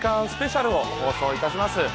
スペシャルを放送いたします。